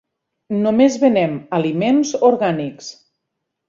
Només venem aliments orgànics.